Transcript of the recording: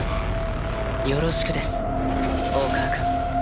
よろしくです大川くん。